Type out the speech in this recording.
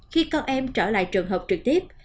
khi con em trở lại trường hợp trực tiếp